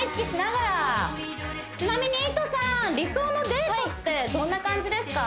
ちなみにいとさん理想のデートってどんな感じですか？